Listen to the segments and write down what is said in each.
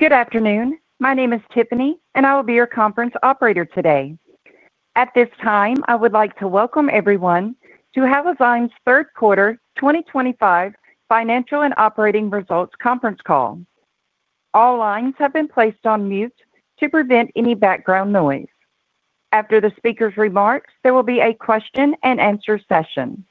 Good afternoon. My name is Tiffany, and I will be your conference operator today. At this time, I would like to welcome everyone to Halozyme's third quarter 2025 financial and operating results conference call. All lines have been placed on mute to prevent any background noise. After the speaker's remarks, there will be a question-and-answer session.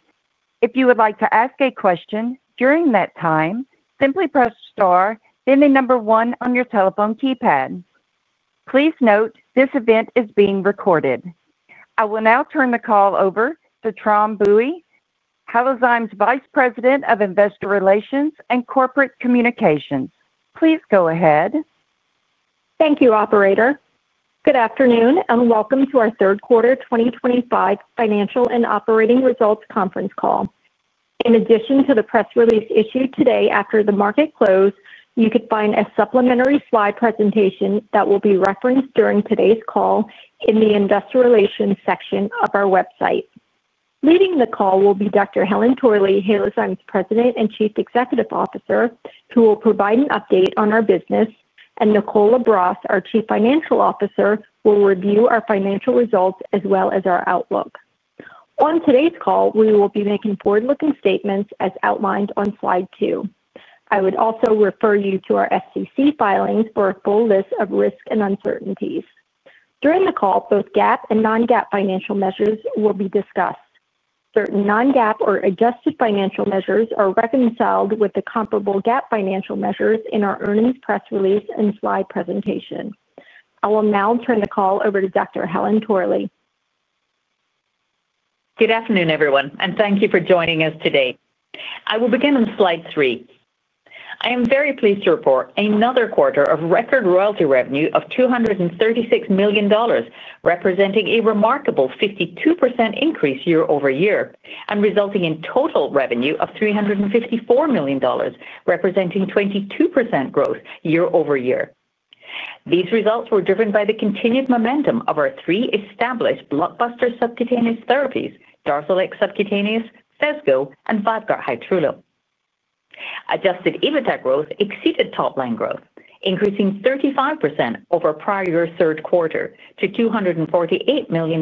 If you would like to ask a question during that time, simply press star, then the number one on your telephone keypad. Please note this event is being recorded. I will now turn the call over to Tram Bui, Halozyme's Vice President of Investor Relations and Corporate Communications. Please go ahead. Thank you, operator. Good afternoon and welcome to our third quarter 2025 financial and operating results conference call. In addition to the press release issued today after the market close, you can find a supplementary slide presentation that will be referenced during today's call in the Investor Relations section of our website. Leading the call will be Dr. Helen Torley, Halozyme's President and Chief Executive Officer, who will provide an update on our business, and Nicole LaBrosse, our Chief Financial Officer, will review our financial results as well as our outlook. On today's call, we will be making forward-looking statements as outlined on slide two. I would also refer you to our SEC filings for a full list of risks and uncertainties. During the call, both GAAP and non-GAAP financial measures will be discussed. Certain non-GAAP or adjusted financial measures are reconciled with the comparable GAAP financial measures in our earnings press release and slide presentation. I will now turn the call over to Dr. Helen Torley. Good afternoon, everyone, and thank you for joining us today. I will begin on slide three. I am very pleased to report another quarter of record royalty revenue of $236 million, representing a remarkable 52% increase year-over-year, and resulting in total revenue of $354 million, representing 22% growth year-over-year. These results were driven by the continued momentum of our three established blockbuster subcutaneous therapies, Darzalex Subcutaneous, Phesgo, and VYVGART Hytrulo. Adjusted EBITDA growth exceeded top-line growth, increasing 35% over prior year's third quarter to $248 million,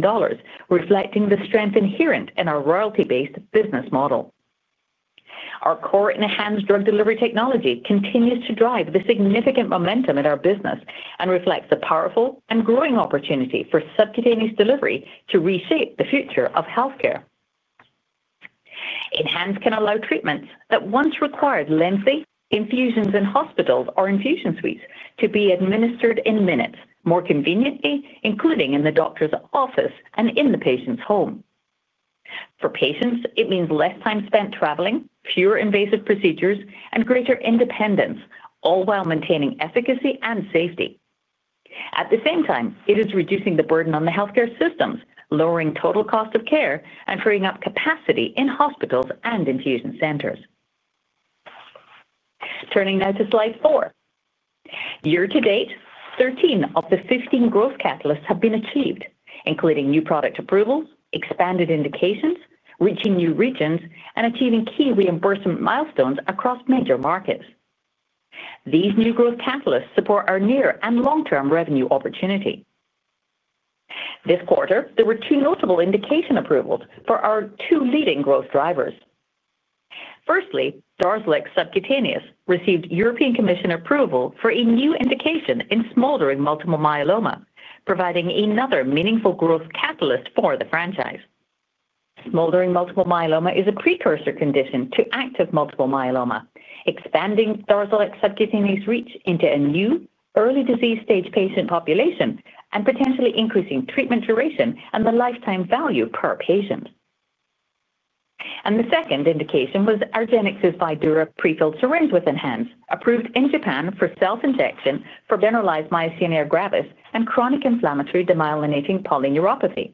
reflecting the strength inherent in our royalty-based business model. Our core ENHANZE drug delivery technology continues to drive the significant momentum in our business and reflects a powerful and growing opportunity for subcutaneous delivery to reshape the future of healthcare. ENHANZE can allow treatments that once required lengthy infusions in hospitals or infusion suites to be administered in minutes more conveniently, including in the doctor's office and in the patient's home. For patients, it means less time spent traveling, fewer invasive procedures, and greater independence, all while maintaining efficacy and safety. At the same time, it is reducing the burden on the healthcare systems, lowering total cost of care, and freeing up capacity in hospitals and infusion centers. Turning now to slide four. Year to date, 13 of the 15 growth catalysts have been achieved, including new product approvals, expanded indications, reaching new regions, and achieving key reimbursement milestones across major markets. These new growth catalysts support our near and long-term revenue opportunity. This quarter, there were two notable indication approvals for our two leading growth drivers. Firstly, Darzalex Subcutaneous received European Commission approval for a new indication in smoldering multiple myeloma, providing another meaningful growth catalyst for the franchise. Smoldering multiple myeloma is a precursor condition to active multiple myeloma, expanding Darzalex Subcutaneous' reach into a new early disease-stage patient population and potentially increasing treatment duration and the lifetime value per patient. The second indication was argenx's VYVGART Hytrulo prefilled syringe with ENHANZE, approved in Japan for self-injection for generalized myasthenia gravis and chronic inflammatory demyelinating polyneuropathy.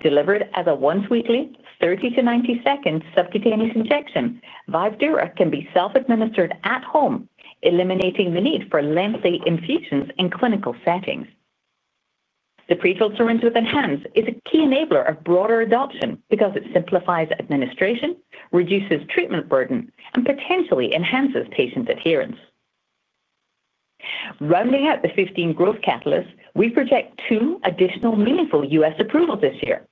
Delivered as a once-weekly, 30-90 seconds subcutaneous injection, VYVGART can be self-administered at home, eliminating the need for lengthy infusions in clinical settings. The prefilled syringe with ENHANZE is a key enabler of broader adoption because it simplifies administration, reduces treatment burden, and potentially enhances patient adherence. Rounding out the 15 growth catalysts, we project two additional meaningful US approvals this year: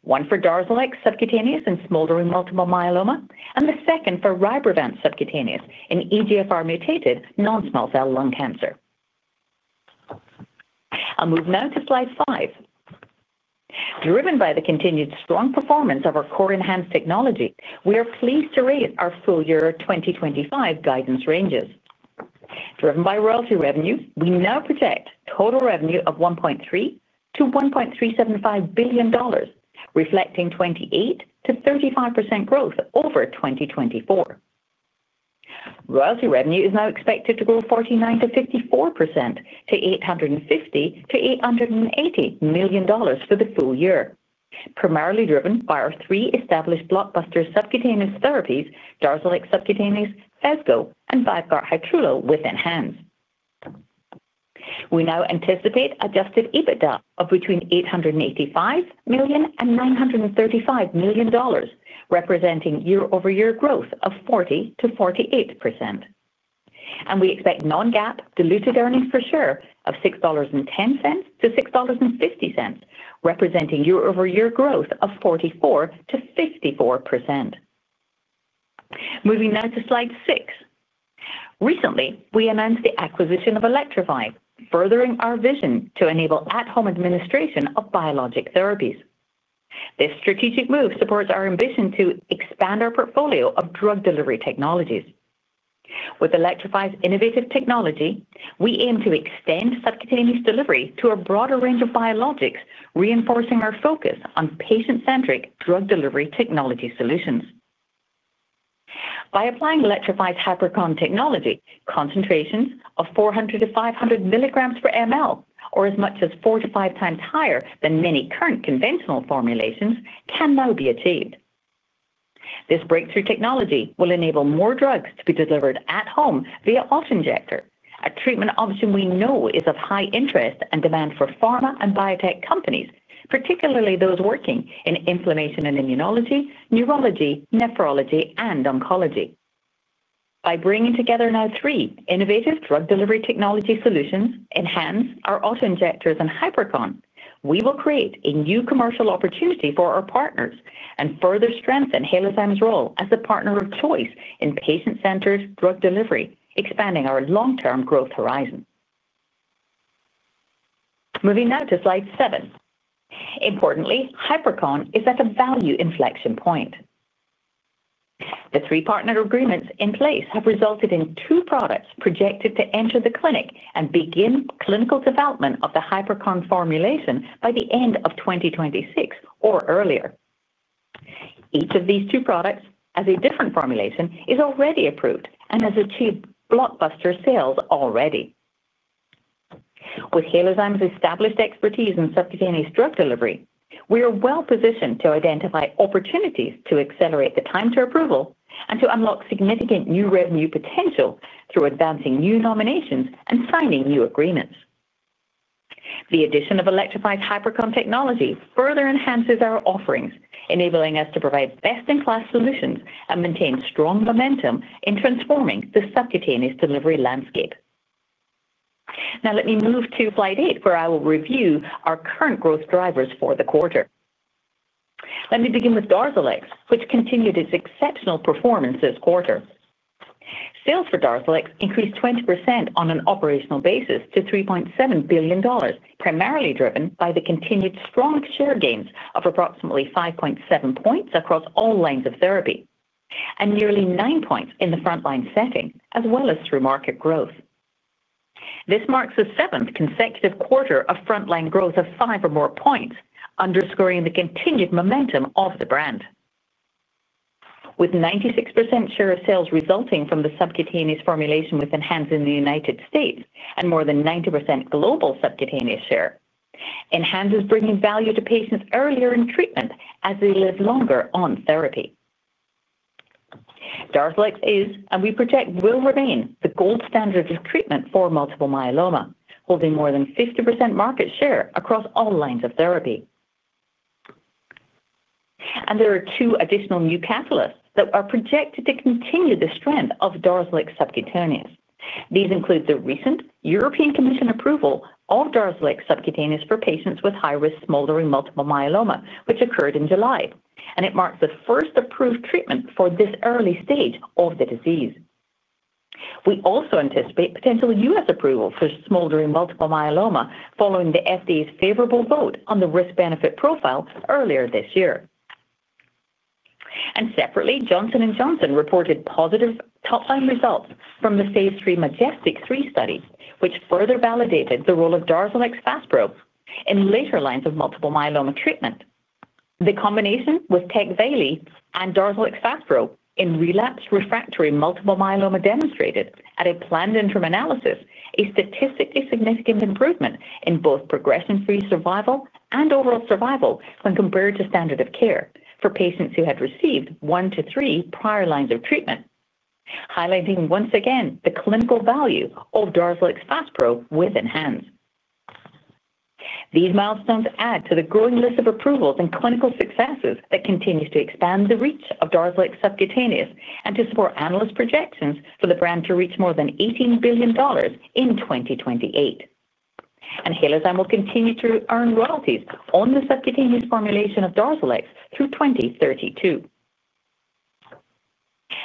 one for Darzalex Subcutaneous in smoldering multiple myeloma and the second for RYBREVANT Subcutaneous in EGFR-mutated non-small cell lung cancer. I'll move now to slide five. Driven by the continued strong performance of our core ENHANZE technology, we are pleased to raise our full year 2025 guidance ranges. Driven by royalty revenues, we now project total revenue of $1.3 billion-$1.375 billion, reflecting 28%-35% growth over 2024. Royalty revenue is now expected to grow 49%-54% to $850 million-$880 million for the full year, primarily driven by our three established blockbuster subcutaneous therapies, Darzalex Subcutaneous, Phesgo, and VYVGART Hytrulo with ENHANZE. We now anticipate adjusted EBITDA of between $885 million and $935 million, representing year-over-year growth of 40%-48%. We expect non-GAAP diluted earnings per share of $6.10-$6.50, representing year-over-year growth of 44%-54%. Moving now to slide six. Recently, we announced the acquisition of Elektrofi, furthering our vision to enable at-home administration of biologic therapies. This strategic move supports our ambition to expand our portfolio of drug delivery technologies. With Elektrofi's innovative technology, we aim to extend subcutaneous delivery to a broader range of biologics, reinforcing our focus on patient-centric drug delivery technology solutions. By applying Elektrofi's Hypercon technology, concentrations of 400-500 milligrams per ml, or as much as 4x-5x higher than many current conventional formulations, can now be achieved. This breakthrough technology will enable more drugs to be delivered at home via autoinjector, a treatment option we know is of high interest and demand for pharma and biotech companies, particularly those working in inflammation and immunology, neurology, nephrology, and oncology. By bringing together now three innovative drug delivery technology solutions, ENHANZE, our autoinjectors, and Hypercon, we will create a new commercial opportunity for our partners and further strengthen Halozyme's role as a partner of choice in patient-centered drug delivery, expanding our long-term growth horizon. Moving now to slide seven. Importantly, Hypercon is at a value inflection point. The three partner agreements in place have resulted in two products projected to enter the clinic and begin clinical development of the Hypercon formulation by the end of 2026 or earlier. Each of these two products, as a different formulation, is already approved and has achieved blockbuster sales already. With Halozyme's established expertise in subcutaneous drug delivery, we are well positioned to identify opportunities to accelerate the time to approval and to unlock significant new revenue potential through advancing new nominations and signing new agreements. The addition of Elektrofi's Hypercon technology further enhances our offerings, enabling us to provide best-in-class solutions and maintain strong momentum in transforming the subcutaneous delivery landscape. Now, let me move to slide eight, where I will review our current growth drivers for the quarter. Let me begin with Darzalex, which continued its exceptional performance this quarter. Sales for Darzalex increased 20% on an operational basis to $3.7 billion, primarily driven by the continued strong share gains of approximately 5.7 percentage points across all lines of therapy and nearly 9 percentage points in the front-line setting, as well as through market growth. This marks the seventh consecutive quarter of front-line growth of five or more percentage points, underscoring the continued momentum of the brand. With 96% share of sales resulting from the subcutaneous formulation with ENHANZE in the United States and more than 90% global subcutaneous share, ENHANZE is bringing value to patients earlier in treatment as they live longer on therapy. Darzalex is, and we project will remain, the gold standard of treatment for multiple myeloma, holding more than 50% market share across all lines of therapy. There are two additional new catalysts that are projected to continue the strength of Darzalex Subcutaneous. These include the recent European Commission approval of Darzalex Subcutaneous for patients with high-risk smoldering multiple myeloma, which occurred in July, and it marks the first approved treatment for this early stage of the disease. We also anticipate potential U.S. approval for smoldering multiple myeloma following the FDA's favorable vote on the risk-benefit profile earlier this year. Separately, Johnson & Johnson reported positive top-line results from the phase III MajesTEC-3 study, which further validated the role of DARZALEX FASPRO in later lines of multiple myeloma treatment. The combination with Tecvayli and DARZALEX FASPRO in relapsed refractory multiple myeloma demonstrated, at a planned interim analysis, a statistically significant improvement in both progression-free survival and overall survival when compared to standard of care for patients who had received one to three prior lines of treatment. Highlighting once again the clinical value of DARZALEX FASPRO with ENHANZE. These milestones add to the growing list of approvals and clinical successes that continue to expand the reach of Darzalex Subcutaneous and to support analyst projections for the brand to reach more than $18 billion in 2028. Halozyme will continue to earn royalties on the subcutaneous formulation of Darzalex through 2032.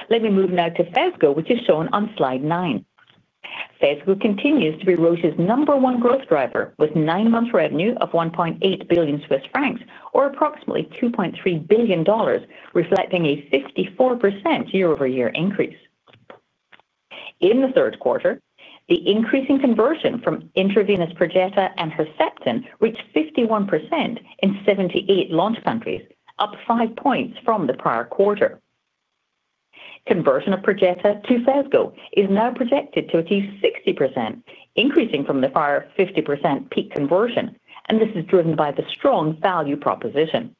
Let me move now to Phesgo, which is shown on slide nine. Phesgo continues to be Roche's number one growth driver, with nine months revenue of 1.8 billion Swiss francs, or approximately $2.3 billion, reflecting a 54% year-over-year increase. In the third quarter, the increasing conversion from intravenous Perjeta and Herceptin reached 51% in 78 launch countries, up five percentage points from the prior quarter. Conversion of Perjeta to Phesgo is now projected to achieve 60%, increasing from the prior 50% peak conversion, and this is driven by the strong value proposition.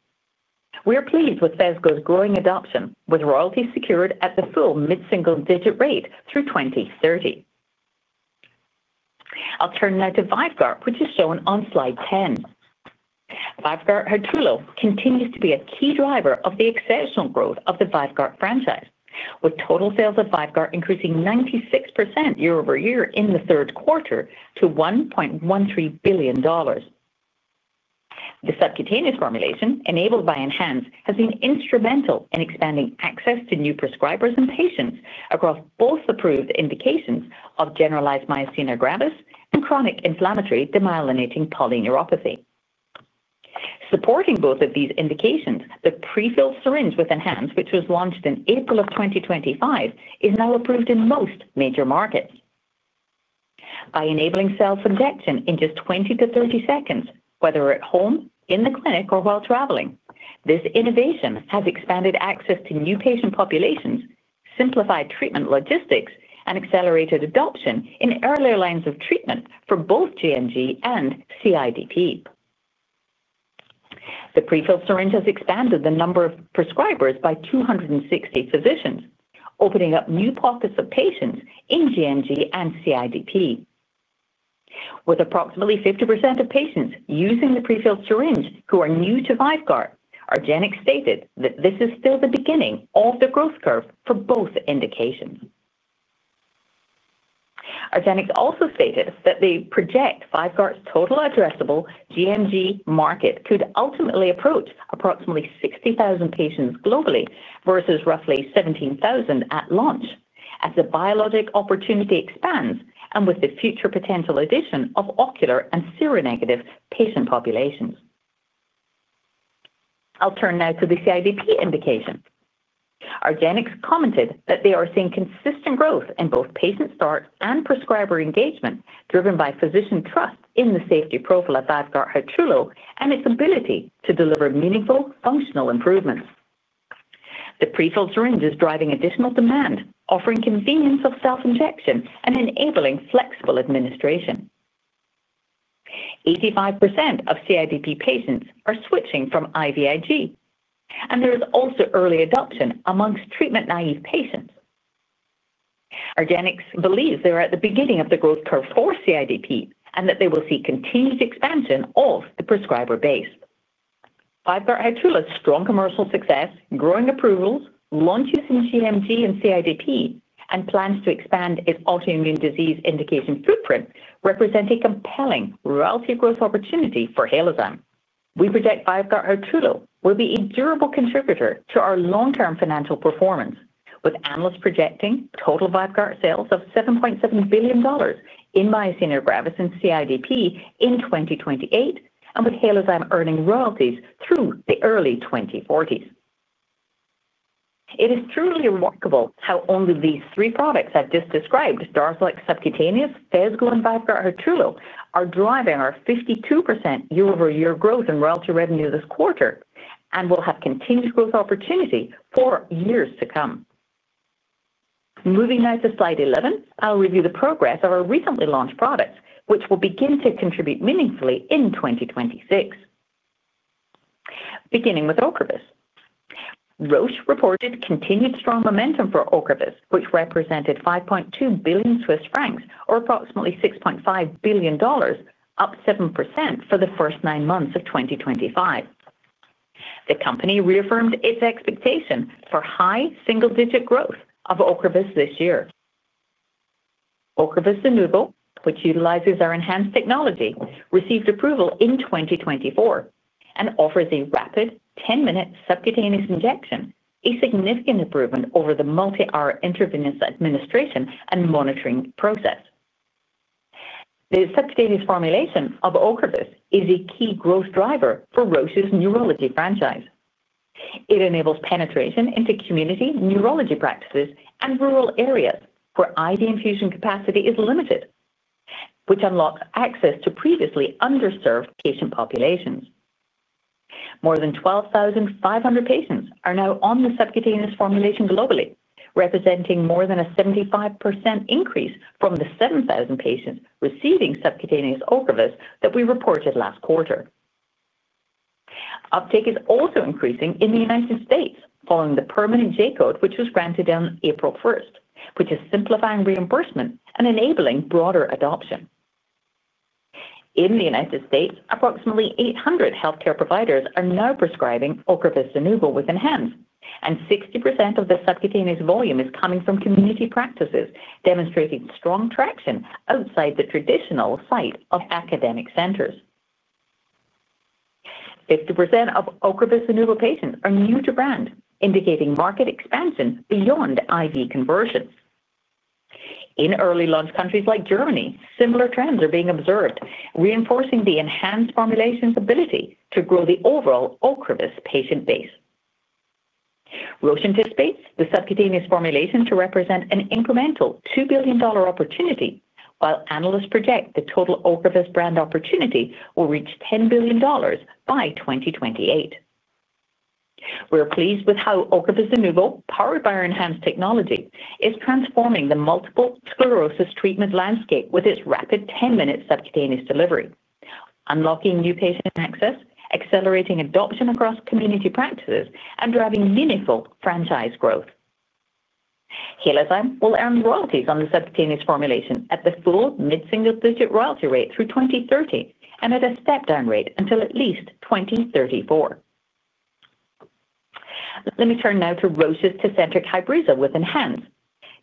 We are pleased with Phesgo's growing adoption, with royalties secured at the full mid-single digit rate through 2030. I'll turn now to VYVGART, which is shown on slide 10. VYVGART Hytrulo continues to be a key driver of the exceptional growth of the VYVGART franchise, with total sales of VYVGART increasing 96% year-over-year in the third quarter to $1.13 billion. The subcutaneous formulation enabled by ENHANZE has been instrumental in expanding access to new prescribers and patients across both approved indications of generalized myasthenia gravis and chronic inflammatory demyelinating polyneuropathy. Supporting both of these indications, the prefilled syringe with ENHANZE, which was launched in April of 2023, is now approved in most major markets. By enabling self-injection in just 20-30 seconds, whether at home, in the clinic, or while traveling, this innovation has expanded access to new patient populations, simplified treatment logistics, and accelerated adoption in earlier lines of treatment for both GNG and CIDP. The prefilled syringe has expanded the number of prescribers by 260 physicians, opening up new pockets of patients in GNG and CIDP. With approximately 50% of patients using the prefilled syringe who are new to VYVGART, argenx stated that this is still the beginning of the growth curve for both indications. Argenx also stated that they project VYVGART's total addressable GNG market could ultimately approach approximately 60,000 patients globally versus roughly 17,000 at launch as the biologic opportunity expands and with the future potential addition of ocular and seronegative patient populations. I'll turn now to the CIDP indication. Argenx commented that they are seeing consistent growth in both patient start and prescriber engagement, driven by physician trust in the safety profile of VYVGART Hytrulo and its ability to deliver meaningful functional improvements. The prefilled syringe is driving additional demand, offering convenience of self-injection and enabling flexible administration. 85% of CIDP patients are switching from IVIG, and there is also early adoption amongst treatment-naive patients. Argenx believes they are at the beginning of the growth curve for CIDP and that they will see continued expansion of the prescriber base. VYVGART Hytrulo's strong commercial success, growing approvals, launch use in GNG and CIDP, and plans to expand its autoimmune disease indication footprint represent a compelling royalty growth opportunity for Halozyme. We project VYVGART Hytrulo will be a durable contributor to our long-term financial performance, with analysts projecting total VYVGART sales of $7.7 billion in myasthenia gravis and CIDP in 2028, and with Halozyme earning royalties through the early 2040s. It is truly remarkable how only these three products I've just described, Darzalex Subcutaneous, Phesgo, and VYVGART Hytrulo, are driving our 52% year-over-year growth in royalty revenue this quarter and will have continued growth opportunity for years to come. Moving now to slide 11, I'll review the progress of our recently launched products, which will begin to contribute meaningfully in 2026. Beginning with OCREVUS. Roche reported continued strong momentum for OCREVUS, which represented 5.2 billion Swiss francs, or approximately $6.5 billion, up 7% for the first nine months of 2025. The company reaffirmed its expectation for high single-digit growth of OCREVUS this year. OCREVUS ZUNOVO, which utilizes our ENHANZE technology, received approval in 2024 and offers a rapid 10-minute subcutaneous injection, a significant improvement over the multi-hour intravenous administration and monitoring process. The subcutaneous formulation of OCREVUS is a key growth driver for Roche's neurology franchise. It enables penetration into community neurology practices and rural areas where IV infusion capacity is limited, which unlocks access to previously underserved patient populations. More than 12,500 patients are now on the subcutaneous formulation globally, representing more than a 75% increase from the 7,000 patients receiving subcutaneous OCREVUS that we reported last quarter. Uptake is also increasing in the United States following the permanent J code, which was granted on April 1st, which is simplifying reimbursement and enabling broader adoption. In the United States, approximately 800 healthcare providers are now prescribing OCREVUS ZUNOVO with ENHANZE, and 60% of the subcutaneous volume is coming from community practices, demonstrating strong traction outside the traditional site of academic centers. 50% of OCREVUS ZUNOVO patients are new to brand, indicating market expansion beyond IV conversion. In early launch countries like Germany, similar trends are being observed, reinforcing the ENHANZE formulation's ability to grow the overall OCREVUS patient base. Roche anticipates the subcutaneous formulation to represent an incremental $2 billion opportunity, while analysts project the total OCREVUS brand opportunity will reach $10 billion by 2028. We are pleased with how OCREVUS ZUNOVO, powered by our ENHANZE technology, is transforming the multiple sclerosis treatment landscape with its rapid 10-minute subcutaneous delivery, unlocking new patient access, accelerating adoption across community practices, and driving meaningful franchise growth. Halozyme will earn royalties on the subcutaneous formulation at the full mid-single digit royalty rate through 2030 and at a step-down rate until at least 2034. Let me turn now to Roche's Tecentriq Hybreza with ENHANZE.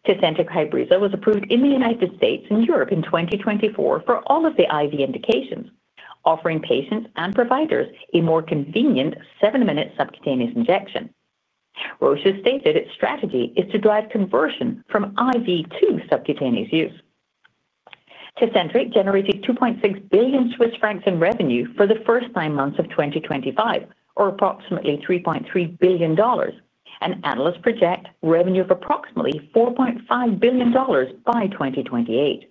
Tecentriq Hybreza was approved in the United States and Europe in 2024 for all of the IV indications, offering patients and providers a more convenient seven-minute subcutaneous injection. Roche has stated its strategy is to drive conversion from IV to subcutaneous use. Tecentriq generated 2.6 billion Swiss francs in revenue for the first nine months of 2025, or approximately $3.3 billion, and analysts project revenue of approximately $4.5 billion by 2028.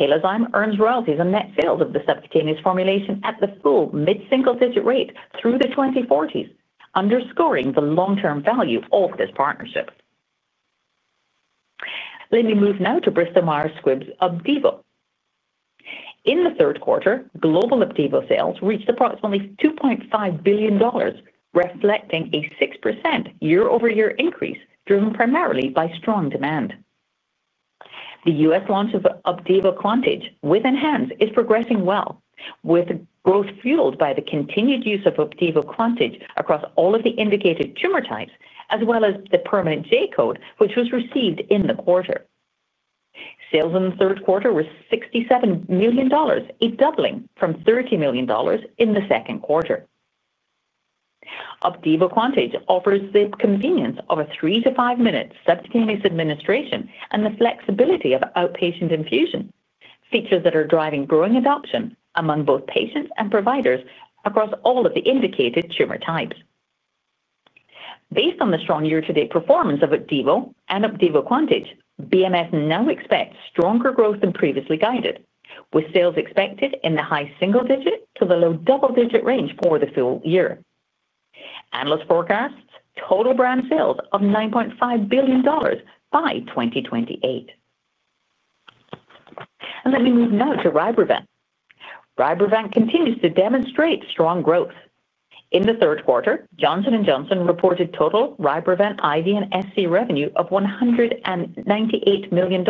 Halozyme earns royalties on net sales of the subcutaneous formulation at the full mid-single digit rate through the 2040s, underscoring the long-term value of this partnership. Let me move now to Bristol Myers Squibb's Opdivo. In the third quarter, global Opdivo sales reached approximately $2.5 billion, reflecting a 6% year-over-year increase driven primarily by strong demand. The US launch of Opdivo Qvantig with ENHANZE is progressing well, with growth fueled by the continued use of Opdivo Qvantig across all of the indicated tumor types, as well as the permanent J code, which was received in the quarter. Sales in the third quarter were $67 million, a doubling from $30 million in the second quarter. Opdivo Qvantig offers the convenience of a three to five-minute subcutaneous administration and the flexibility of outpatient infusion, features that are driving growing adoption among both patients and providers across all of the indicated tumor types. Based on the strong year-to-date performance of Opdivo and Opdivo Qvantig, BMS now expects stronger growth than previously guided, with sales expected in the high single digit to the low double digit range for the full year. Analyst forecasts total brand sales of $9.5 billion by 2028. Let me move now to RYBREVANT. RYBREVANT continues to demonstrate strong growth. In the third quarter, Johnson & Johnson reported total RYBREVANT IV and SC revenue of $198 million,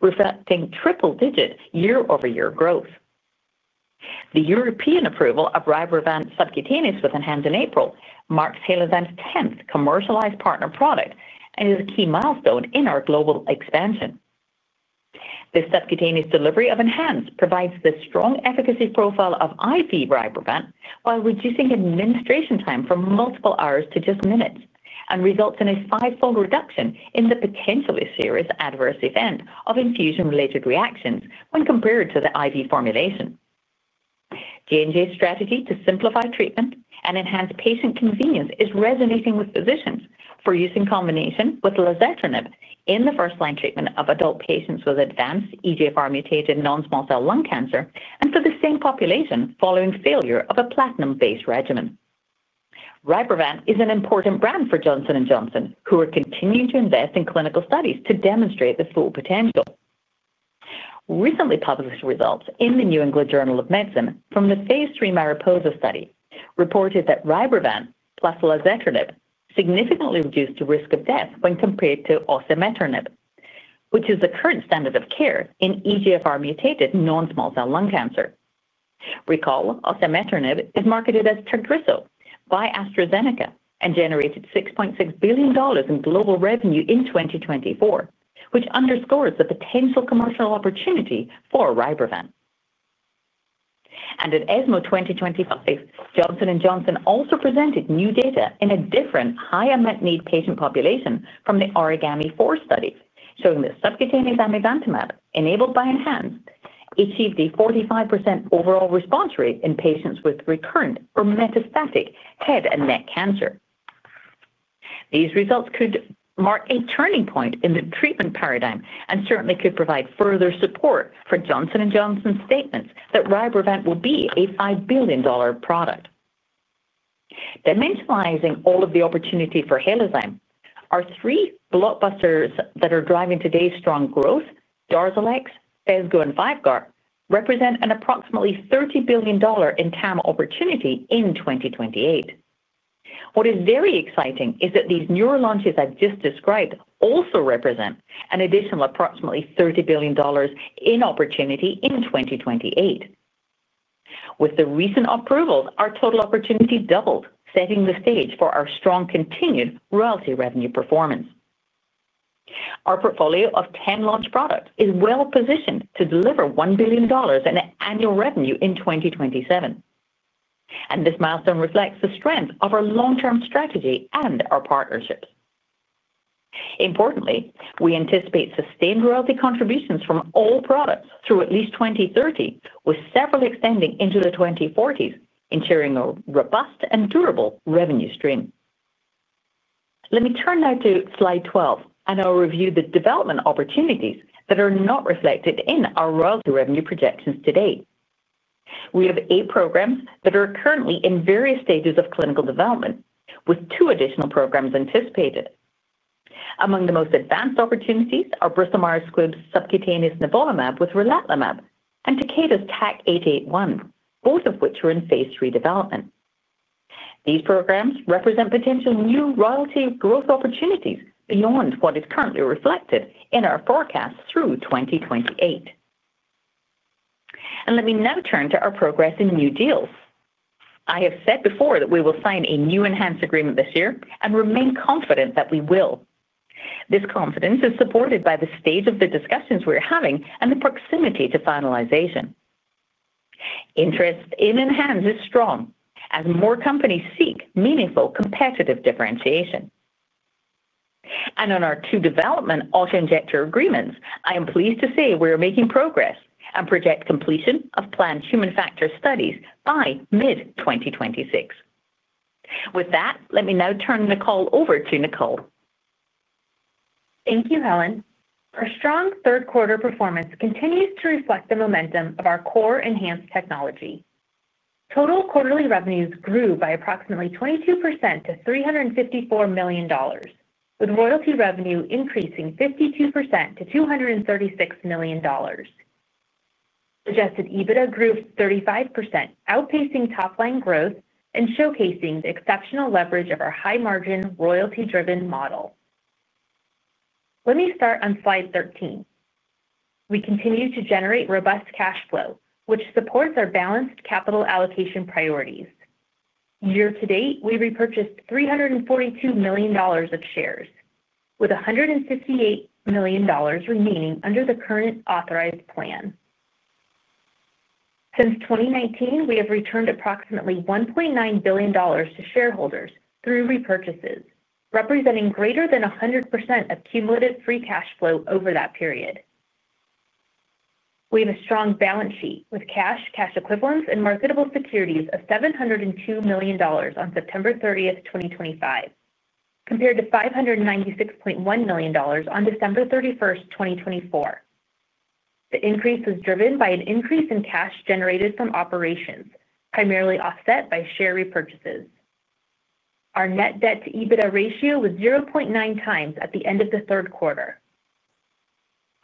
reflecting triple-digit year-over-year growth. The European approval of RYBREVANT subcutaneous with ENHANZE in April marks Halozyme's 10th commercialized partner product and is a key milestone in our global expansion. The subcutaneous delivery of ENHANZE provides the strong efficacy profile of IV RYBREVANT while reducing administration time from multiple hours to just minutes and results in a five-fold reduction in the potentially serious adverse event of infusion-related reactions when compared to the IV formulation. J&J's strategy to simplify treatment and enhance patient convenience is resonating with physicians for use in combination with lazertinib in the first-line treatment of adult patients with advanced EGFR-mutated non-small cell lung cancer and for the same population following failure of a platinum-based regimen. RYBREVANT is an important brand for Johnson & Johnson, who are continuing to invest in clinical studies to demonstrate the full potential. Recently published results in the New England Journal of Medicine from the phase III MARIPOSA study reported that RYBREVANT plus lazertinib significantly reduced the risk of death when compared to osimertinib, which is the current standard of care in EGFR-mutated non-small cell lung cancer. Recall, osimertinib is marketed as Tagrisso by AstraZeneca and generated $6.6 billion in global revenue in 2024, which underscores the potential commercial opportunity for RYBREVANT. At ESMO 2025, Johnson & Johnson also presented new data in a different high-immune patient population from the OrigAMI-4 study, showing that subcutaneous amivantamab enabled by ENHANZE achieved a 45% overall response rate in patients with recurrent or metastatic head and neck cancer. These results could mark a turning point in the treatment paradigm and certainly could provide further support for Johnson & Johnson's statements that RYBREVANT will be a $5 billion product. Dimensionalizing all of the opportunity for Halozyme, our three blockbusters that are driving today's strong growth, Darzalex, Phesgo, and ENHANZE, represent an approximately $30 billion in TAM opportunity in 2028. What is very exciting is that these newer launches I've just described also represent an additional approximately $30 billion in opportunity in 2028. With the recent approvals, our total opportunity doubled, setting the stage for our strong continued royalty revenue performance. Our portfolio of 10 launch products is well positioned to deliver $1 billion in annual revenue in 2027. This milestone reflects the strength of our long-term strategy and our partnerships. Importantly, we anticipate sustained royalty contributions from all products through at least 2030, with several extending into the 2040s, ensuring a robust and durable revenue stream. Let me turn now to slide 12, and I'll review the development opportunities that are not reflected in our royalty revenue projections today. We have eight programs that are currently in various stages of clinical development, with two additional programs anticipated. Among the most advanced opportunities are Bristol Myers Squibb's subcutaneous nivolumab with relatlimab and Takeda's TAK-881, both of which are in phase three development. These programs represent potential new royalty growth opportunities beyond what is currently reflected in our forecast through 2028. Let me now turn to our progress in new deals. I have said before that we will sign a new ENHANZE agreement this year and remain confident that we will. This confidence is supported by the stage of the discussions we're having and the proximity to finalization. Interest in ENHANZE is strong as more companies seek meaningful competitive differentiation. On our two development autoinjector agreements, I am pleased to say we are making progress and project completion of planned human factor studies by mid-2026. With that, let me now turn the call over to Nicole. Thank you, Helen. Our strong third-quarter performance continues to reflect the momentum of our core ENHANZE technology. Total quarterly revenues grew by approximately 22% to $354 million, with royalty revenue increasing 52% to $236 million. Adjusted EBITDA grew 35%, outpacing top-line growth and showcasing the exceptional leverage of our high-margin royalty-driven model. Let me start on slide 13. We continue to generate robust cash flow, which supports our balanced capital allocation priorities. Year to date, we repurchased $342 million of shares, with $158 million remaining under the current authorized plan. Since 2019, we have returned approximately $1.9 billion to shareholders through repurchases, representing greater than 100% of cumulative free cash flow over that period. We have a strong balance sheet with cash, cash equivalents, and marketable securities of $702 million on September 30th, 2025, compared to $596.1 million on December 31st, 2024. The increase was driven by an increase in cash generated from operations, primarily offset by share repurchases. Our net debt-to-EBITDA ratio was 0.9x at the end of the third quarter.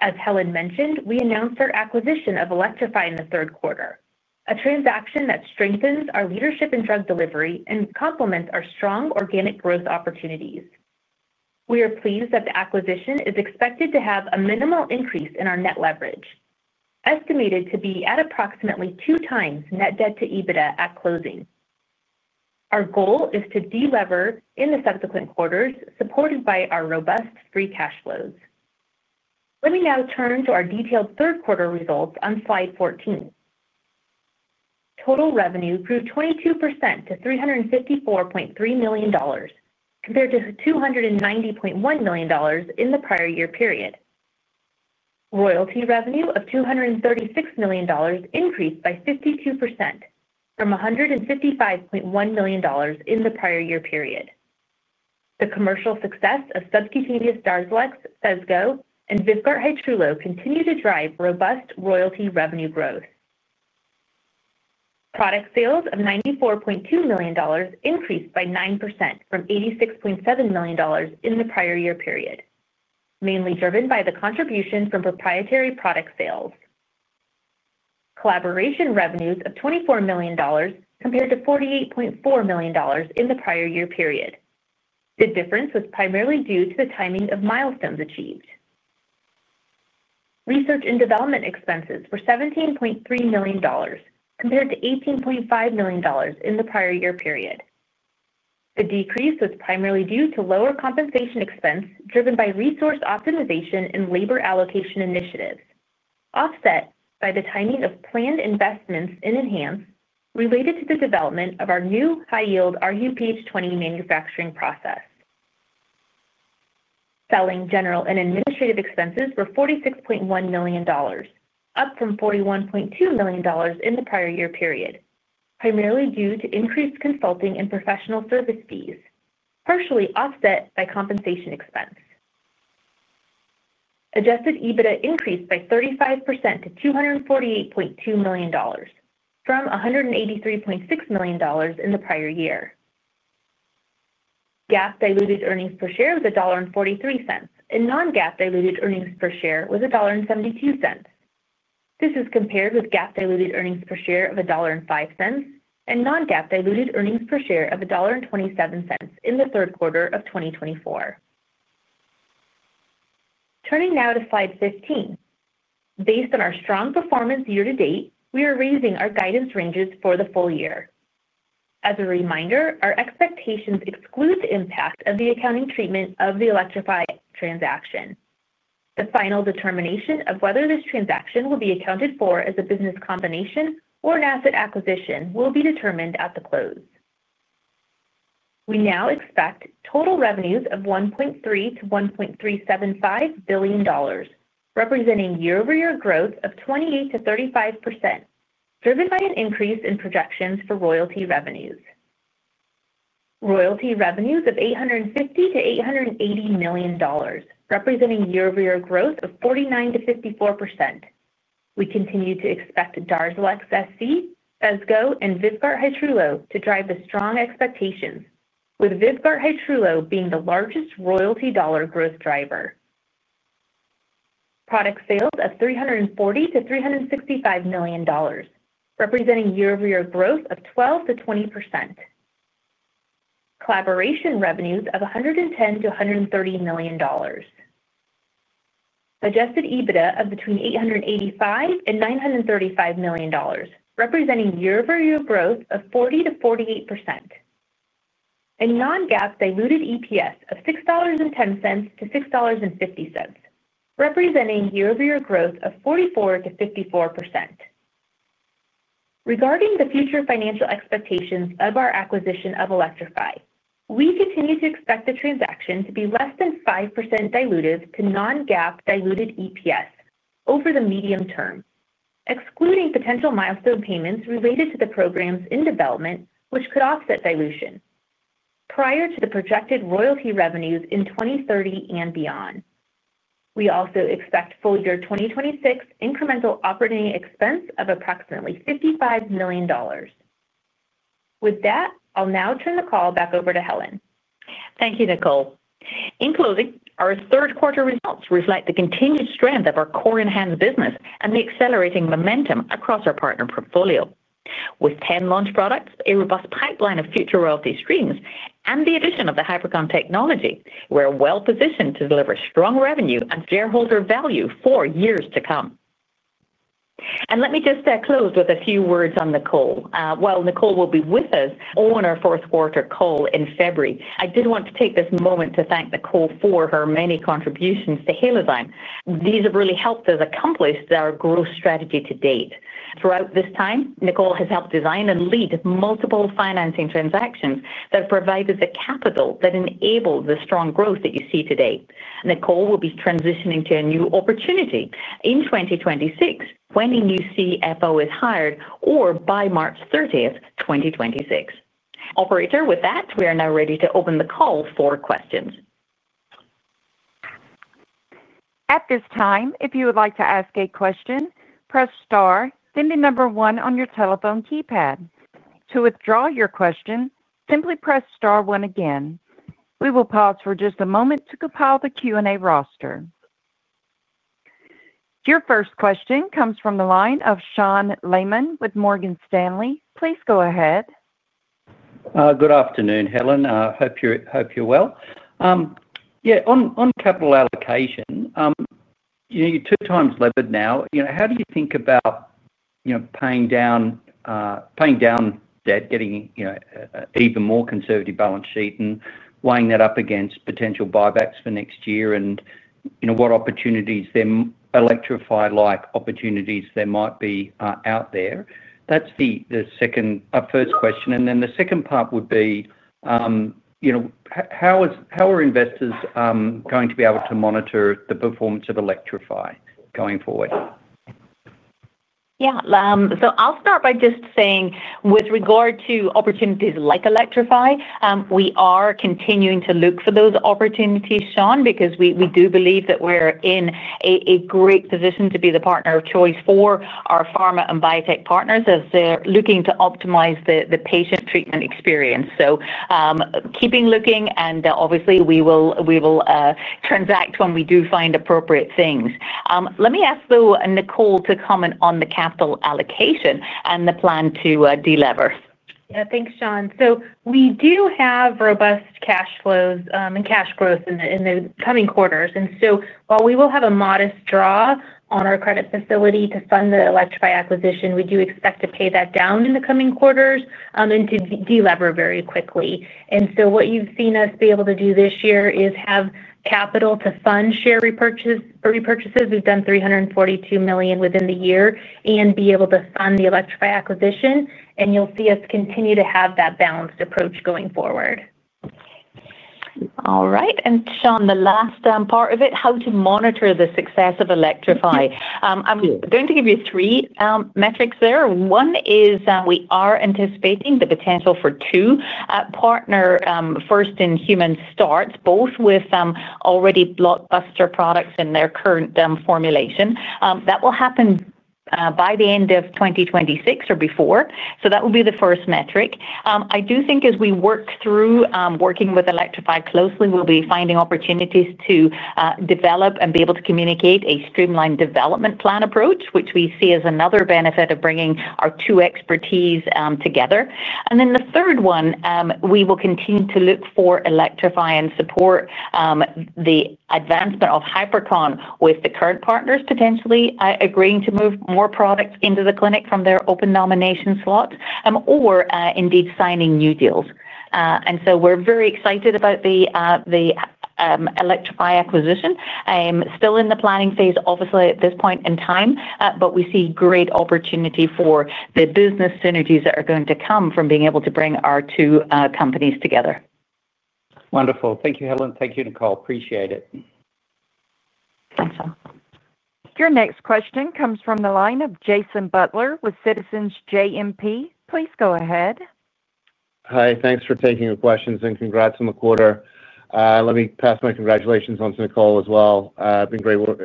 As Helen mentioned, we announced our acquisition of Elektrofi in the third quarter, a transaction that strengthens our leadership in drug delivery and complements our strong organic growth opportunities. We are pleased that the acquisition is expected to have a minimal increase in our net leverage, estimated to be at approximately 2x net debt-to-EBITDA at closing. Our goal is to delever in the subsequent quarters, supported by our robust free cash flows. Let me now turn to our detailed third-quarter results on slide 14. Total revenue grew 22% to $354.3 million, compared to $290.1 million in the prior year period. Royalty revenue of $236 million increased by 52% from $155.1 million in the prior year period. The commercial success of subcutaneous Darzalex, Phesgo, and VYVGART Hytrulo continue to drive robust royalty revenue growth. Product sales of $94.2 million increased by 9% from $86.7 million in the prior year period, mainly driven by the contribution from proprietary product sales. Collaboration revenues of $24 million compared to $48.4 million in the prior year period. The difference was primarily due to the timing of milestones achieved. Research and development expenses were $17.3 million, compared to $18.5 million in the prior year period. The decrease was primarily due to lower compensation expense driven by resource optimization and labor allocation initiatives, offset by the timing of planned investments in ENHANZE related to the development of our new high-yield rHuPH20 manufacturing process. Selling, general, and administrative expenses were $46.1 million, up from $41.2 million in the prior year period, primarily due to increased consulting and professional service fees, partially offset by compensation expense. Adjusted EBITDA increased by 35% to $248.2 million, from $183.6 million in the prior year. GAAP diluted earnings per share was $1.43, and non-GAAP diluted earnings per share was $1.72. This is compared with GAAP diluted earnings per share of $1.05 and non-GAAP diluted earnings per share of $1.27 in the third quarter of 2024. Turning now to slide 15. Based on our strong performance year to date, we are raising our guidance ranges for the full year. As a reminder, our expectations exclude the impact of the accounting treatment of the Elektrofi transaction. The final determination of whether this transaction will be accounted for as a business combination or an asset acquisition will be determined at the close. We now expect total revenues of $1.3 billion-$1.375 billion, representing year-over-year growth of 28%-35%, driven by an increase in projections for royalty revenues. Royalty revenues of $850 million-$880 million, representing year-over-year growth of 49%-54%. We continue to expect Darzalex SC, Phesgo, and VYVGART Hytrulo to drive the strong expectations, with VYVGART Hytrulo being the largest royalty dollar growth driver. Product sales of $340 million-$365 million, representing year-over-year growth of 12%-20%. Collaboration revenues of $110 million-$130 million. Adjusted EBITDA of between $885 million and $935 million, representing year-over-year growth of 40%-48%. And non-GAAP diluted EPS of $6.10-$6.50, representing year-over-year growth of 44%-54%. Regarding the future financial expectations of our acquisition of Elektrofi, we continue to expect the transaction to be less than 5% diluted to non-GAAP diluted EPS over the medium term, excluding potential milestone payments related to the programs in development, which could offset dilution. Prior to the projected royalty revenues in 2030 and beyond. We also expect full year 2026 incremental operating expense of approximately $55 million. With that, I'll now turn the call back over to Helen. Thank you, Nicole. In closing, our third-quarter results reflect the continued strength of our core ENHANZE business and the accelerating momentum across our partner portfolio. With 10 launch products, a robust pipeline of future royalty streams, and the addition of the Hypercon technology, we're well positioned to deliver strong revenue and shareholder value for years to come. Let me just close with a few words on Nicole. While Nicole will be with us on our fourth-quarter call in February, I did want to take this moment to thank Nicole for her many contributions to Halozyme. These have really helped us accomplish our growth strategy to date. Throughout this time, Nicole has helped design and lead multiple financing transactions that have provided the capital that enabled the strong growth that you see today. Nicole will be transitioning to a new opportunity in 2026 when a new CFO is hired or by March 30th, 2026. Operator, with that, we are now ready to open the call for questions. At this time, if you would like to ask a question, press star, then the number one on your telephone keypad. To withdraw your question, simply press star one again. We will pause for just a moment to compile the Q&A roster. Your first question comes from the line of Sean Lehmann with Morgan Stanley. Please go ahead. Good afternoon, Helen. I hope you're well. Yeah, on capital allocation. You're two times levered now. How do you think about paying down debt, getting an even more conservative balance sheet, and weighing that up against potential buybacks for next year, and what opportunities there, Elektrofi-like opportunities there might be out there? That's the first question. And then the second part would be, how are investors going to be able to monitor the performance of Elektrofi going forward? Yeah. So I'll start by just saying, with regard to opportunities like Elektrofi, we are continuing to look for those opportunities, Sean, because we do believe that we're in a great position to be the partner of choice for our pharma and biotech partners as they're looking to optimize the patient treatment experience. Keeping looking, and obviously, we will transact when we do find appropriate things. Let me ask though Nicole to comment on the capital allocation and the plan to delever. Yeah, thanks, Sean. So we do have robust cash flows and cash growth in the coming quarters. And so while we will have a modest draw on our credit facility to fund the Elektrofi acquisition, we do expect to pay that down in the coming quarters and to delever very quickly. And so what you've seen us be able to do this year is have capital to fund share repurchases. We've done $342 million within the year and be able to fund the Elektrofi acquisition. And you'll see us continue to have that balanced approach going forward. All right. And Sean, the last part of it, how to monitor the success of Elektrofi. I'm going to give you three metrics there. One is we are anticipating the potential for two partner first in human starts, both with already blockbuster products in their current formulation. That will happen by the end of 2026 or before. So that will be the first metric. I do think as we work through working with Elektrofi closely, we'll be finding opportunities to develop and be able to communicate a streamlined development plan approach, which we see as another benefit of bringing our two expertise together. And then the third one, we will continue to look for Elektrofi and support. The advancement of Hypercon with the current partners potentially agreeing to move more products into the clinic from their open nomination slot or indeed signing new deals. We are very excited about the Elektrofi acquisition. I am still in the planning phase, obviously, at this point in time, but we see great opportunity for the business synergies that are going to come from being able to bring our two companies together. Wonderful. Thank you, Helen. Thank you, Nicole. Appreciate it. Thanks, Sean. Your next question comes from the line of Jason Butler with Citizens JMP. Please go ahead. Hi. Thanks for taking your questions and congrats on the quarter. Let me pass my congratulations on to Nicole as well. It's been great work.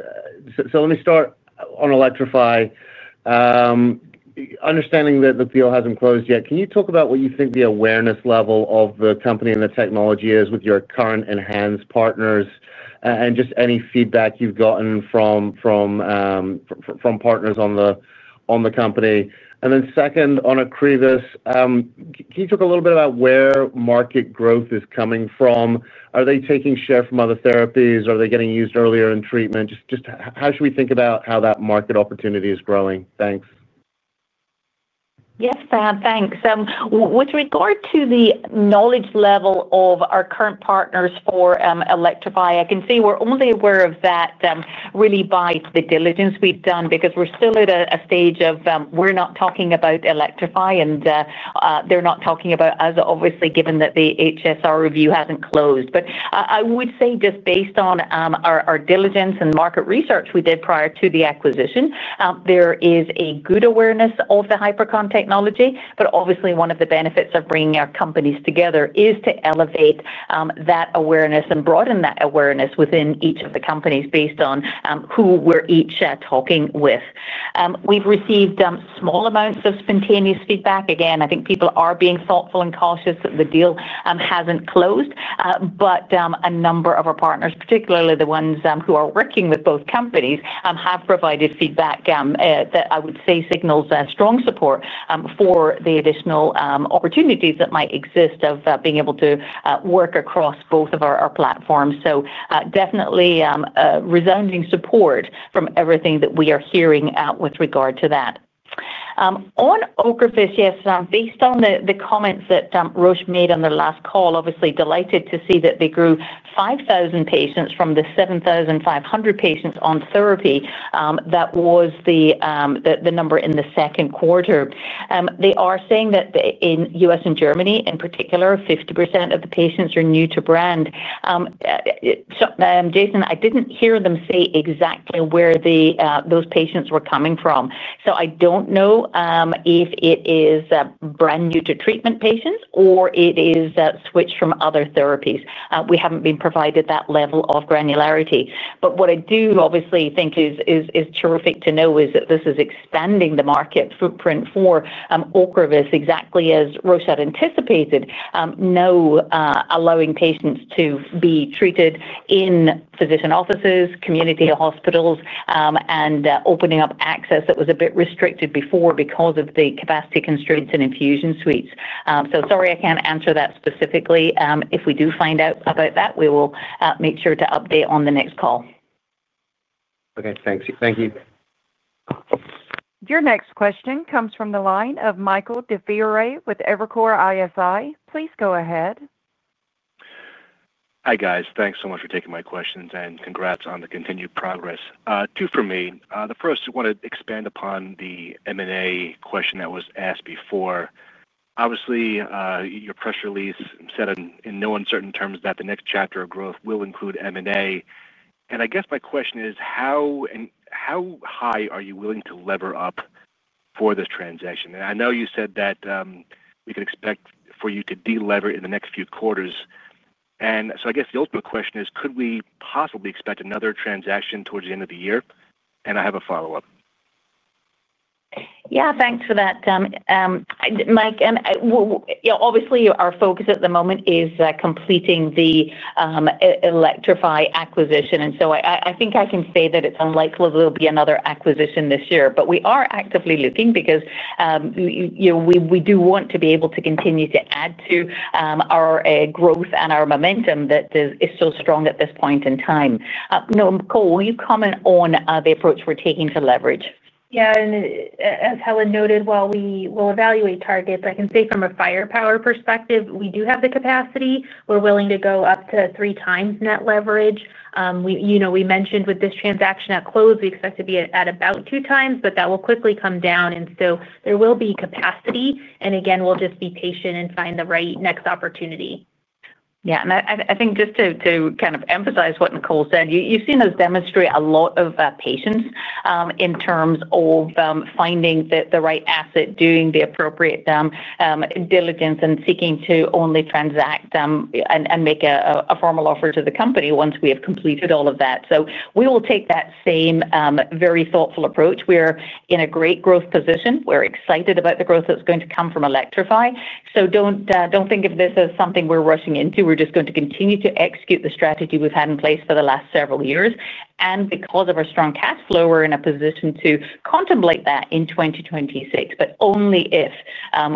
Let me start on Elektrofi. Understanding that the deal hasn't closed yet, can you talk about what you think the awareness level of the company and the technology is with your current ENHANZE partners and just any feedback you've gotten from partners on the company? Second, on a previous, can you talk a little bit about where market growth is coming from? Are they taking share from other therapies? Are they getting used earlier in treatment? Just how should we think about how that market opportunity is growing? Thanks. Yes, Jason. Thanks. With regard to the knowledge level of our current partners for Elektrofi, I can say we're only aware of that really by the diligence we've done because we're still at a stage of we're not talking about Elektrofi, and they're not talking about us, obviously, given that the HSR review hasn't closed. I would say just based on our diligence and market research we did prior to the acquisition, there is a good awareness of the Hypercon technology. Obviously, one of the benefits of bringing our companies together is to elevate that awareness and broaden that awareness within each of the companies based on who we're each talking with. We've received small amounts of spontaneous feedback. Again, I think people are being thoughtful and cautious that the deal hasn't closed. A number of our partners, particularly the ones who are working with both companies, have provided feedback that I would say signals strong support for the additional opportunities that might exist of being able to work across both of our platforms. Definitely resounding support from everything that we are hearing with regard to that. On OCREVUS, yes, based on the comments that Roche made on their last call, obviously delighted to see that they grew 5,000 patients from the 7,500 patients on therapy. That was the number in the second quarter. They are saying that in US and Germany, in particular, 50% of the patients are new to brand. Jason, I didn't hear them say exactly where those patients were coming from. I don't know if it is brand new to treatment patients or it is switched from other therapies. We haven't been provided that level of granularity. What I do obviously think is terrific to know is that this is expanding the market footprint for OCREVUS, exactly as Roche had anticipated. Now allowing patients to be treated in physician offices, community hospitals, and opening up access that was a bit restricted before because of the capacity constraints and infusion suites. Sorry, I can't answer that specifically. If we do find out about that, we will make sure to update on the next call. Thank you. Your next question comes from the line of Michael DiFiore with Evercore ISI. Please go ahead. Hi, guys. Thanks so much for taking my questions and congrats on the continued progress. Two for me. The first, I want to expand upon the M&A question that was asked before. Obviously, your press release said in no uncertain terms that the next chapter of growth will include M&A. I guess my question is, how high are you willing to lever up for this transaction? I know you said that we can expect for you to delever in the next few quarters. I guess the ultimate question is, could we possibly expect another transaction towards the end of the year? I have a follow-up. Yeah. Thanks for that, Mike. Obviously, our focus at the moment is completing the Elektrofi acquisition. I think I can say that it's unlikely there will be another acquisition this year. We are actively looking because we do want to be able to continue to add to our growth and our momentum that is so strong at this point in time. Nicole, will you comment on the approach we're taking to leverage? Yeah. As Helen noted, while we will evaluate targets, I can say from a firepower perspective, we do have the capacity. We're willing to go up to three times net leverage. We mentioned with this transaction at close, we expect to be at about two times, but that will quickly come down. There will be capacity. Again, we'll just be patient and find the right next opportunity. I think just to kind of emphasize what Nicole said, you've seen us demonstrate a lot of patience in terms of finding the right asset, doing the appropriate diligence, and seeking to only transact and make a formal offer to the company once we have completed all of that. We will take that same very thoughtful approach. We're in a great growth position. We're excited about the growth that's going to come from Elektrofi. Don't think of this as something we're rushing into. We're just going to continue to execute the strategy we've had in place for the last several years. Because of our strong cash flow, we're in a position to contemplate that in 2026, but only if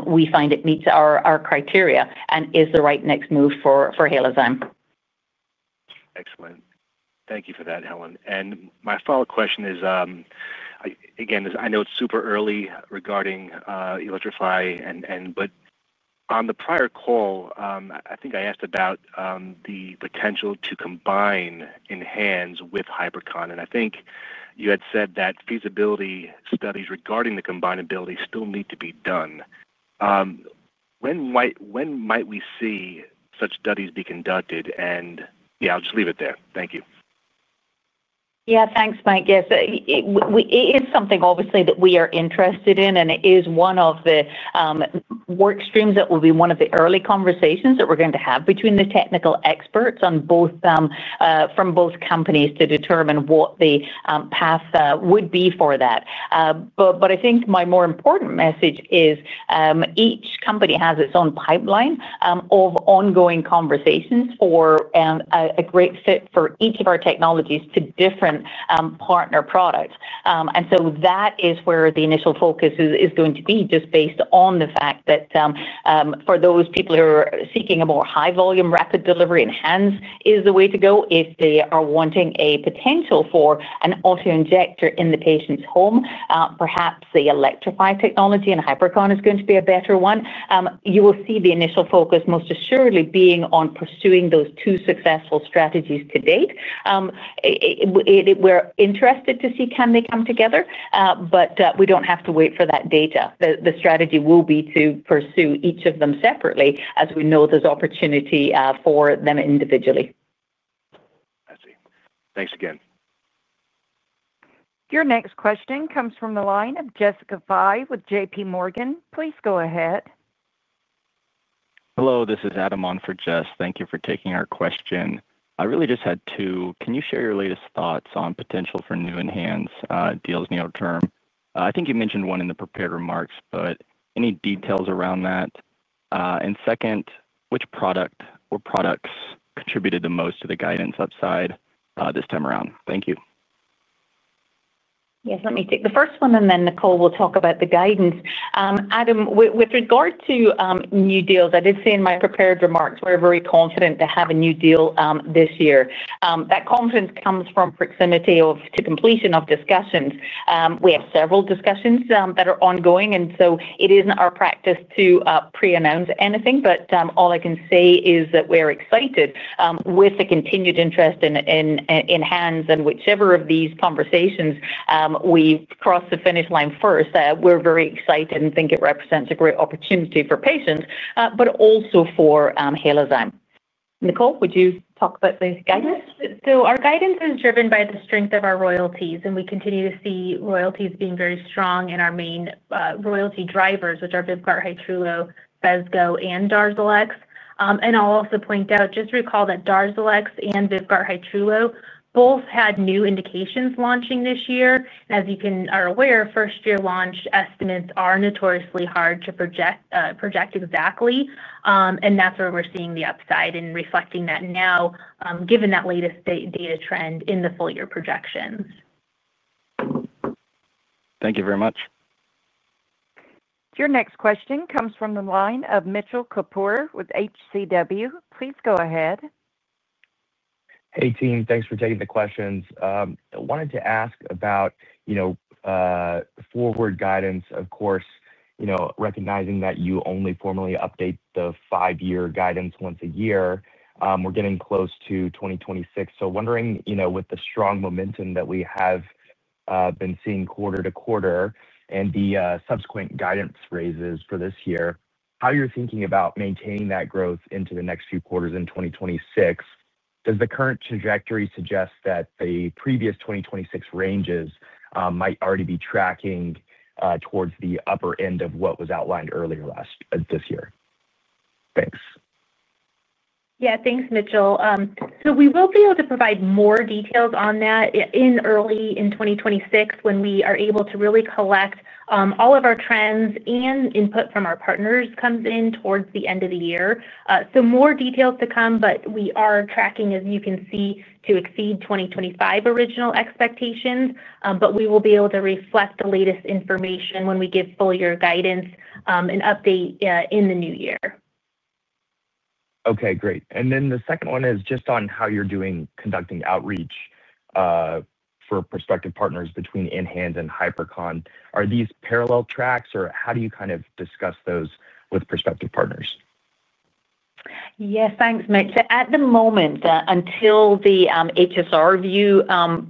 we find it meets our criteria and is the right next move for Halozyme. Excellent. Thank you for that, Helen. My follow-up question is, again, I know it's super early regarding Elektrofi. On the prior call, I think I asked about the potential to combine ENHANZE with Hypercon. I think you had said that feasibility studies regarding the combinability still need to be done. When might we see such studies be conducted? I'll just leave it there. Thank you. Yeah, thanks, Mike. Yes, it is something, obviously, that we are interested in, and it is one of the workstreams that will be one of the early conversations that we're going to have between the technical experts from both companies to determine what the path would be for that. I think my more important message is each company has its own pipeline of ongoing conversations for a great fit for each of our technologies to different partner products. That is where the initial focus is going to be, just based on the fact that for those people who are seeking a more high-volume, rapid delivery, ENHANZE is the way to go. If they are wanting a potential for an autoinjector in the patient's home, perhaps the Elektrofi technology and Hypercon is going to be a better one. You will see the initial focus most assuredly being on pursuing those two successful strategies to date. We're interested to see can they come together, but we don't have to wait for that data. The strategy will be to pursue each of them separately as we know there's opportunity for them individually. I see. Thanks again. Your next question comes from the line of Jessica Fye with JPMorgan. Please go ahead. Hello. This is Adam on for Jess. Thank you for taking our question. I really just had two. Can you share your latest thoughts on potential for new ENHANZE deals near term? I think you mentioned one in the prepared remarks, but any details around that? Second, which product or products contributed the most to the guidance upside this time around? Thank you. Yes. Let me take the first one, and then Nicole will talk about the guidance. Adam, with regard to new deals, I did say in my prepared remarks, we're very confident to have a new deal this year. That confidence comes from proximity of completion of discussions. We have several discussions that are ongoing, and it isn't our practice to pre-announce anything. All I can say is that we're excited with the continued interest in ENHANZE and whichever of these conversations we cross the finish line first. We're very excited and think it represents a great opportunity for patients, but also for Halozyme. Nicole, would you talk about the guidance? Our guidance is driven by the strength of our royalties, and we continue to see royalties being very strong in our main royalty drivers, which are VYVGART Hytrulo, Phesgo, and Darzalex. I'll also point out, just recall that Darzalex and VYVGART Hytrulo both had new indications launching this year. As you are aware, first-year launch estimates are notoriously hard to project exactly. That's where we're seeing the upside in reflecting that now, given that latest data trend in the full-year projections. Thank you very much. Your next question comes from the line of Mitchell Kapoor with HCW. Please go ahead. Hey, team. Thanks for taking the questions. I wanted to ask about forward guidance, of course. Recognizing that you only formally update the five-year guidance once a year, we're getting close to 2026. Wondering, with the strong momentum that we have been seeing quarter to quarter and the subsequent guidance raises for this year, how you're thinking about maintaining that growth into the next few quarters in 2026. Does the current trajectory suggest that the previous 2026 ranges might already be tracking towards the upper end of what was outlined earlier this year? Thanks. Yeah. Thanks, Mitchell. We will be able to provide more details on that early in 2026 when we are able to really collect all of our trends and input from our partners comes in towards the end of the year. More details to come, but we are tracking, as you can see, to exceed 2025 original expectations. We will be able to reflect the latest information when we give full-year guidance and update in the new year. Okay. Great. The second one is just on how you're conducting outreach for prospective partners between ENHANZE and Hypercon. Are these parallel tracks, or how do you kind of discuss those with prospective partners? Yes. Thanks, Mitch. At the moment, until the HSR review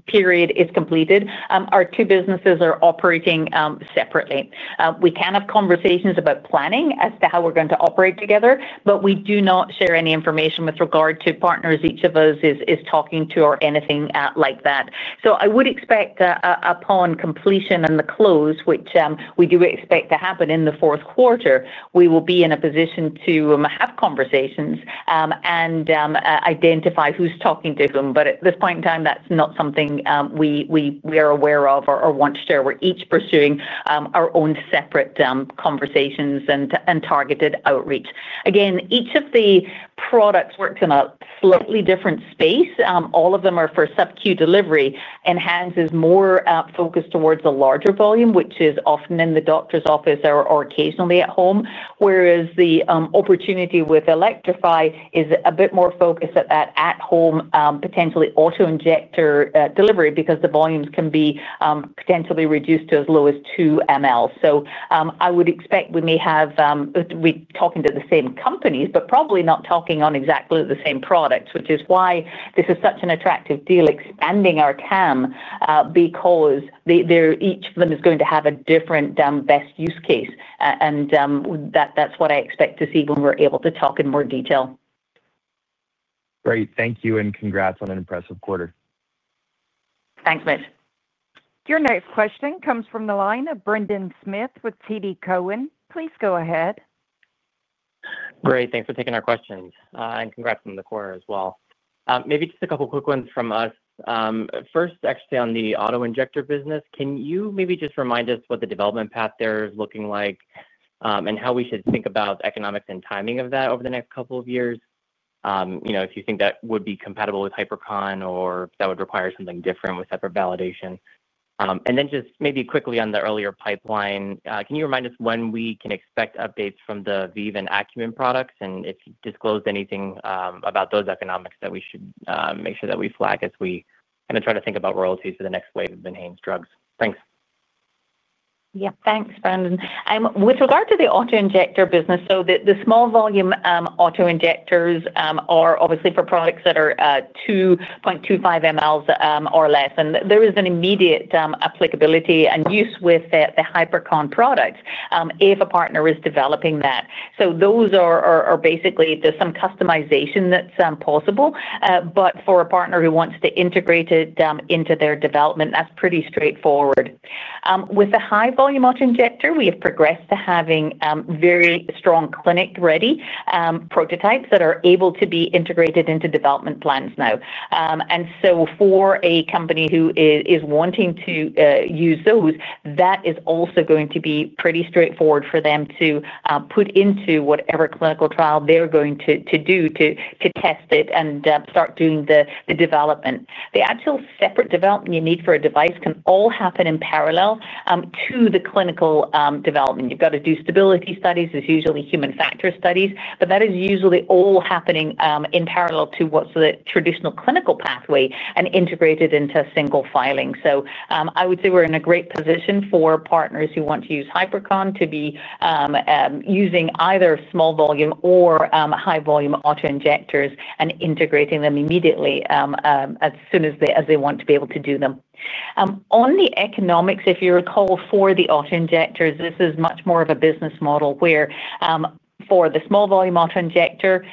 period is completed, our two businesses are operating separately. We can have conversations about planning as to how we're going to operate together, but we do not share any information with regard to partners each of us is talking to or anything like that. I would expect upon completion and the close, which we do expect to happen in the fourth quarter, we will be in a position to have conversations and identify who's talking to whom. At this point in time, that's not something we are aware of or want to share. We're each pursuing our own separate conversations and targeted outreach. Again, each of the products works in a slightly different space. All of them are for subcutaneous delivery. ENHANZE is more focused towards the larger volume, which is often in the doctor's office or occasionally at home. Whereas the opportunity with Elektrofi is a bit more focused at that at-home, potentially autoinjector delivery, because the volumes can be potentially reduced to as low as 2 ml. I would expect we may have. We're talking to the same companies, but probably not talking on exactly the same products, which is why this is such an attractive deal expanding our TAM because each of them is going to have a different best use case. That's what I expect to see when we're able to talk in more detail. Great. Thank you. Congrats on an impressive quarter. Thanks, Mitch. Your next question comes from the line of Brendan Smith with TD Cowen. Please go ahead. Great. Thanks for taking our questions. Congrats from the core as well. Maybe just a couple of quick ones from us. First, actually, on the autoinjector business, can you maybe just remind us what the development path there is looking like and how we should think about the economics and timing of that over the next couple of years? If you think that would be compatible with Hypercon or that would require something different with separate validation. Then just maybe quickly on the earlier pipeline, can you remind us when we can expect updates from the Viv and Acumen products? If you disclose anything about those economics, that we should make sure that we flag as we kind of try to think about royalties for the next wave of enhanced drugs. Thanks. Yeah. Thanks, Brendan. With regard to the autoinjector business, the small-volume autoinjectors are obviously for products that are 2.25 ml or less. There is an immediate applicability and use with the Hypercon product if a partner is developing that. Those are basically some customization that's possible. For a partner who wants to integrate it into their development, that's pretty straightforward. With the high-volume autoinjector, we have progressed to having very strong clinic-ready prototypes that are able to be integrated into development plans now. For a company who is wanting to use those, that is also going to be pretty straightforward for them to put into whatever clinical trial they're going to do to test it and start doing the development. The actual separate development you need for a device can all happen in parallel to the clinical development. You've got to do stability studies. It's usually human factor studies, but that is usually all happening in parallel to what's the traditional clinical pathway and integrated into single filing. I would say we're in a great position for partners who want to use Hypercon to be using either small-volume or high-volume autoinjectors and integrating them immediately as soon as they want to be able to do them. On the economics, if you recall, for the autoinjectors, this is much more of a business model where for the small-volume autoinjector,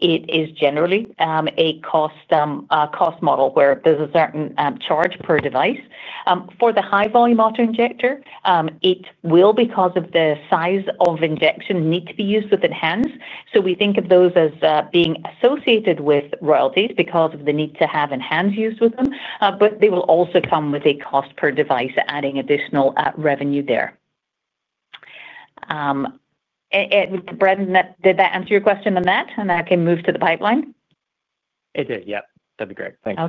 it is generally a cost model where there's a certain charge per device. For the high-volume autoinjector, it will, because of the size of injection, need to be used with enhanced. We think of those as being associated with royalties because of the need to have enhanced use with them, but they will also come with a cost per device, adding additional revenue there. Brendan, did that answer your question on that? I can move to the pipeline. It did. Yep. That'd be great. Thanks.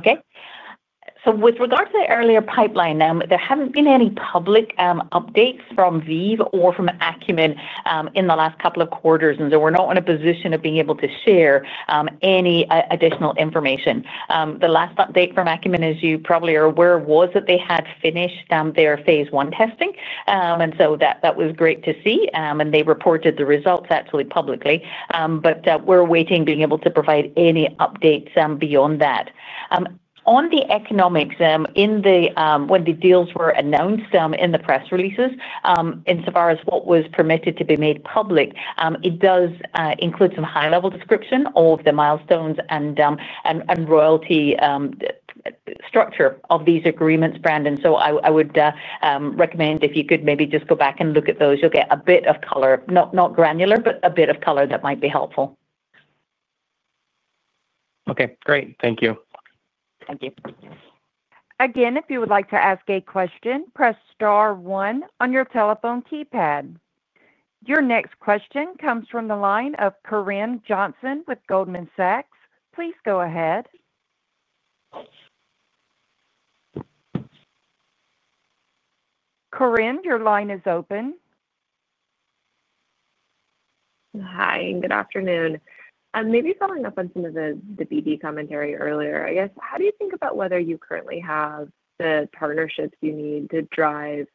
Okay. With regard to the earlier pipeline, there have not been any public updates from ViiV or from Acumen in the last couple of quarters, and we are not in a position of being able to share any additional information. The last update from Acumen, as you probably are aware, was that they had finished their phase one testing, and that was great to see. They reported the results actually publicly, but we are awaiting being able to provide any updates beyond that. On the economics, when the deals were announced in the press releases, insofar as what was permitted to be made public, it does include some high-level description of the milestones and royalty structure of these agreements, Brendan. I would recommend if you could maybe just go back and look at those. You will get a bit of color, not granular, but a bit of color that might be helpful. Okay. Great. Thank you. Thank you. Again, if you would like to ask a question, press star one on your telephone keypad. Your next question comes from the line of Corinne Johnson with Goldman Sachs. Please go ahead. Corinne, your line is open. Hi. Good afternoon. Maybe following up on some of the BD commentary earlier, I guess, how do you think about whether you currently have the partnerships you need to drive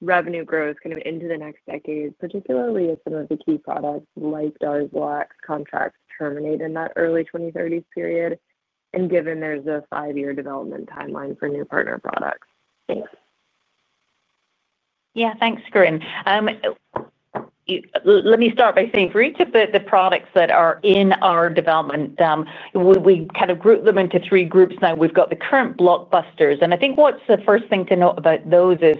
revenue growth kind of into the next decade, particularly if some of the key products like Darzalex contracts terminate in that early 2030s period and given there is a five-year development timeline for new partner products? Thanks. Yeah. Thanks, Corinne. Let me start by saying for each of the products that are in our development, we kind of group them into three groups now. We have got the current blockbusters. I think what is the first thing to note about those is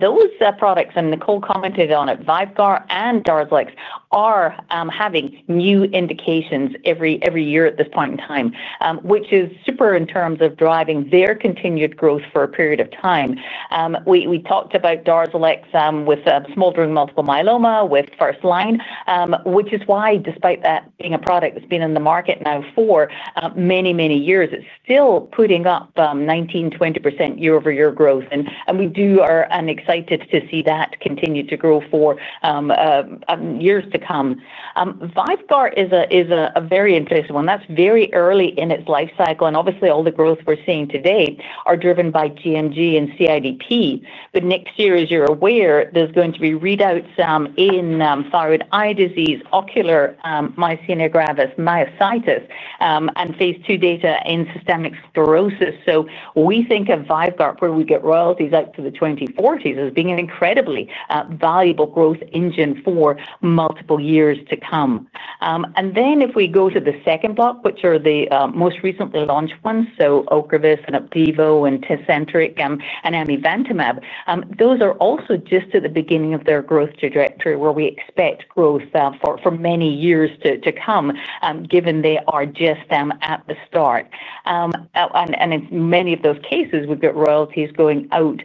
those products—and Nicole commented on it—VYVGART and Darzalex are having new indications every year at this point in time, which is super in terms of driving their continued growth for a period of time. We talked about Darzalex with smoldering multiple myeloma with first line, which is why, despite that being a product that has been in the market now for many, many years, it is still putting up 19%-20% year-over-year growth. We are excited to see that continue to grow for years to come. VYVGART is a very interesting one. That is very early in its life cycle, and obviously, all the growth we are seeing today is driven by GMG and CIDP. Next year, as you're aware, there's going to be readouts in thyroid eye disease, ocular myasthenia gravis, myositis, and phase two data in systemic sclerosis. We think of VYVGART where we get royalties out to the 2040s as being an incredibly valuable growth engine for multiple years to come. If we go to the second block, which are the most recently launched ones, OCREVUS and Opdivo and Tecentriq and RYBREVANT, those are also just at the beginning of their growth trajectory where we expect growth for many years to come, given they are just at the start. In many of those cases, we've got royalties going out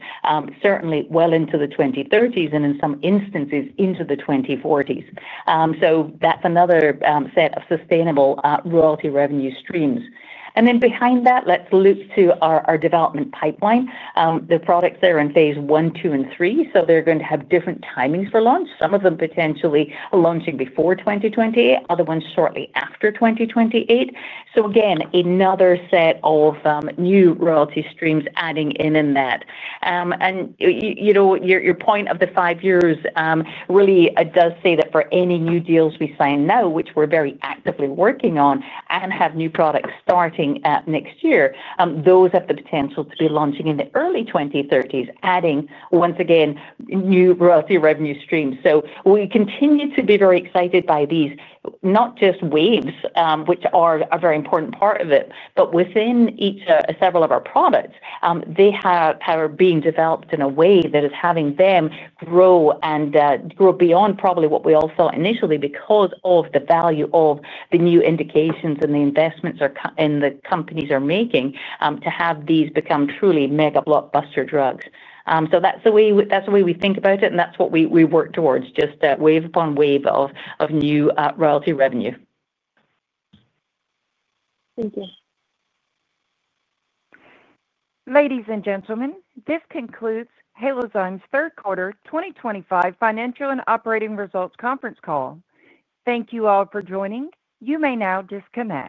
certainly well into the 2030s and in some instances into the 2040s. That's another set of sustainable royalty revenue streams. Behind that, let's look to our development pipeline. The products that are in phase one, two, and three, they're going to have different timings for launch. Some of them potentially launching before 2028, other ones shortly after 2028. Again, another set of new royalty streams adding in in that. Your point of the five years really does say that for any new deals we sign now, which we're very actively working on and have new products starting next year, those have the potential to be launching in the early 2030s, adding once again new royalty revenue streams. We continue to be very excited by these, not just Waves, which are a very important part of it, but within each several of our products, they are being developed in a way that is having them grow and grow beyond probably what we all saw initially because of the value of the new indications and the investments the companies are making to have these become truly mega blockbuster drugs. That's the way we think about it, and that's what we work towards, just wave upon wave of new royalty revenue. Thank you. Ladies and gentlemen, this concludes Halozyme's third quarter 2025 financial and operating results conference call. Thank you all for joining. You may now disconnect.